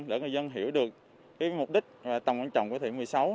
để người dân hiểu được mục đích tầm quan trọng của thị một mươi sáu